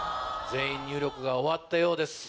全員入力が終わったようです。